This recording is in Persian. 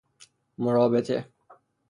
مرابطه